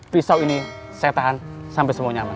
pisau ini saya tahan sampai semuanya